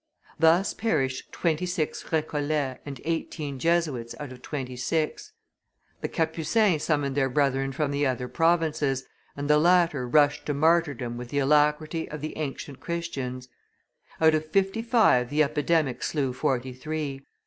Thus perished twenty six Recollects and eighteen Jesuits out of twenty six. The Capucins summoned their brethren from the other provinces, and the latter rushed to martyrdom with the alacrity of the ancient Christians; out of fifty five the epidemic slew forty three.